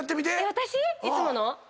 私⁉いつもの。